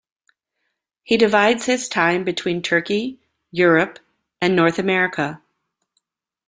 He divides his time between Turkey, Europe and North America.